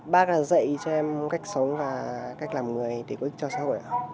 bác đã dạy cho em cách sống và cách làm người để có ích cho xã hội ạ